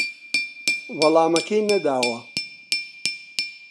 وەڵامەکەی نەداوە